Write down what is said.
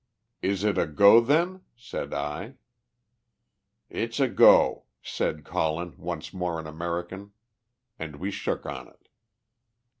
"Is it a go, then?" said I. "It's a go," said Colin, once more in American. And we shook on it.